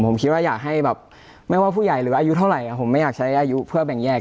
ผมคิดว่าอยากให้แบบไม่ว่าผู้ใหญ่หรืออายุเท่าไหร่ผมไม่อยากใช้อายุเพื่อแบ่งแยก